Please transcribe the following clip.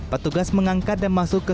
petugas mengangkat dan masuk ke